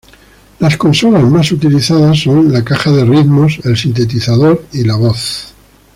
Las consolas más utilizados son la caja de ritmos, el sintetizador y la voz.